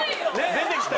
出てきた？